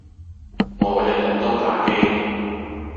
我日日都打機